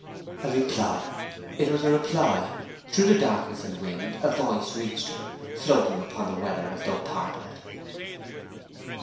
A reply! It was a reply! Through the darkness and wind a voice reached her, floating upon the weather as though a part of it.